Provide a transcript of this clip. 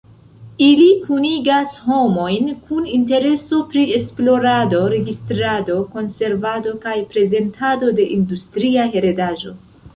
Ili kunigas homojn kun intereso pri esplorado, registrado, konservado kaj prezentado de industria heredaĵo.